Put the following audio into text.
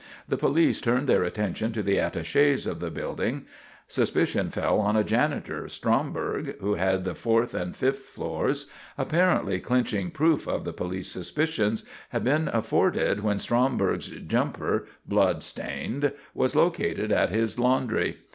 The police turned their attention to the attachés of the building. Suspicion fell on a janitor, Stromberg, who had the fourth and fifth floors. Apparently clinching proof of the police suspicions had been afforded when Stromberg's jumper, blood stained, was located at his laundry.